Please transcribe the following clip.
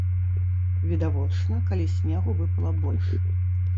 Відавочна, калі снегу выпала больш.